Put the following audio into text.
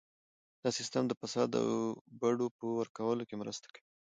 دا سیستم د فساد او بډو په ورکولو کې مرسته کوي.